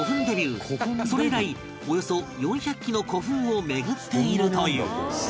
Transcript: それ以来およそ４００基の古墳を巡っているという